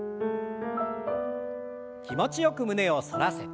気持ちよく胸を反らせて。